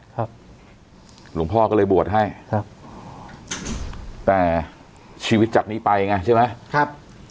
หลวงพ่อก็เลยบวชให้ครับแต่ชีวิตจากนี้ไปไงใช่ไหมครับ